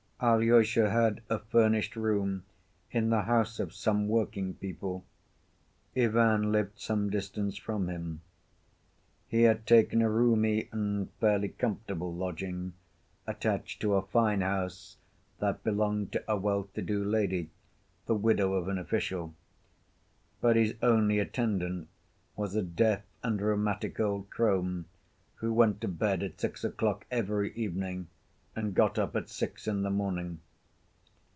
Alyosha had a furnished room in the house of some working people. Ivan lived some distance from him. He had taken a roomy and fairly comfortable lodge attached to a fine house that belonged to a well‐to‐do lady, the widow of an official. But his only attendant was a deaf and rheumatic old crone who went to bed at six o'clock every evening and got up at six in the morning.